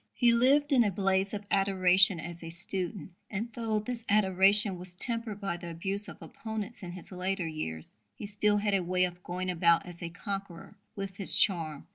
He lived in a blaze of adoration as a student, and, though this adoration was tempered by the abuse of opponents in his later years, he still had a way of going about as a conqueror with his charm.